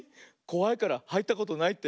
こわいからはいったことないって？